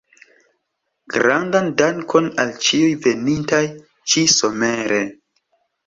Grandan dankon al ĉiuj venintaj ĉi-somere.